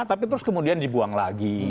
tapi kemudian dibuang lagi